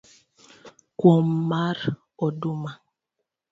Kuo mar oduma